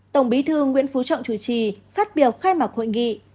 tổng bí thư nguyễn phú trọng chủ trì phát biểu khai mạc hội nghị